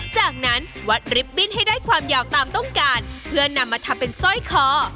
จากนั้นวัดริบบิ้นให้ได้ความยาวตามต้องการเพื่อนำมาทำเป็นสร้อยคอ